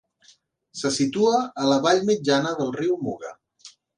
Se situa a la vall mitjana del riu Muga.